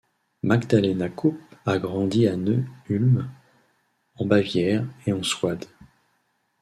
Magdalena Kopp a grandi à Neu-Ulm, en Bavière et en Souabe.